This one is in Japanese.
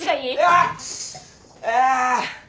あっ！